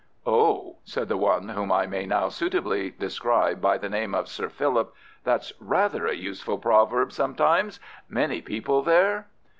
"Oh," said the one whom I may now suitably describe by the name of Sir Philip, "that's rather a useful proverb sometimes. Many people there?"